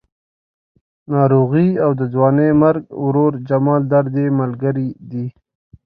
ناروغي او د ځوانې مرګ ورور جمال درد یې ملګري دي.